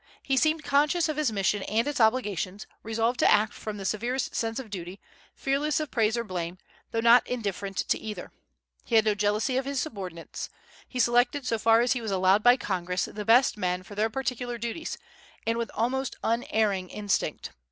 He seemed conscious of his mission and its obligations, resolved to act from the severest sense of duty, fearless of praise or blame, though not indifferent to either. He had no jealousy of his subordinates. He selected, so far as he was allowed by Congress, the best men for their particular duties, and with almost unerring instinct.